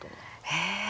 へえ。